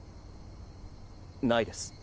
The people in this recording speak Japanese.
ないです。